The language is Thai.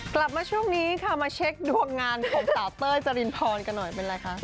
กลับมาช่วงนี้ครับมาเช็คดวงงานของสาวเต้ย